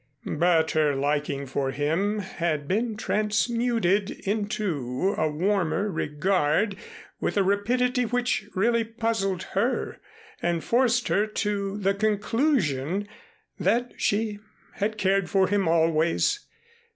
But her liking for him had been transmuted into a warmer regard with a rapidity which really puzzled her and forced her to the conclusion that she had cared for him always.